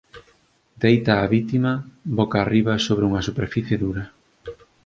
Deita á vítima boca arriba sobre unha superficie dura.